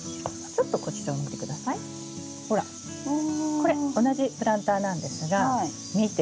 これ同じプランターなんですが見て。